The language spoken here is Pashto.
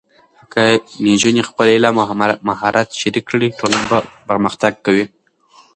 که نجونې خپل علم او مهارت شریک کړي، ټولنه پرمختګ کوي.